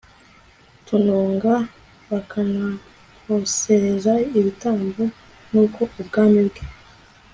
tununga bakanahosereza ibitambo b Nuko ubwami bwe